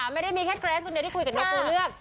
ไม่ได้มีแค่เกรสคนเดียวที่คุยกับเนื้อปูเลือก